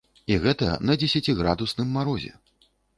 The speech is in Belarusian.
І гэта на дзесяціградусным марозе.